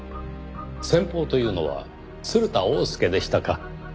先方というのは鶴田翁助でしたか。